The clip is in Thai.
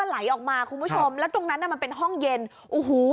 ไหลออกมาคุณผู้ชมแล้วตรงนั้นน่ะมันเป็นห้องเย็นโอ้โห